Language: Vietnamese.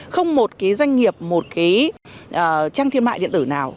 không một cái doanh nghiệp một cái trang thương mại điện tử nào